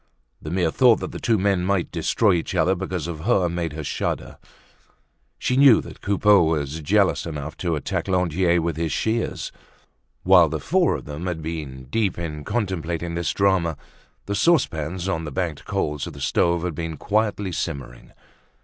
The mere thought that the two men might destroy each other because of her made her shudder. She knew that Coupeau was jealous enough to attack Lantier with his shears. While the four of them had been deep in contemplating this drama, the saucepans on the banked coals of the stoves had been quietly simmering.